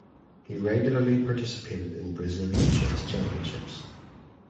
He regularly participated in Brazilian Chess Championships.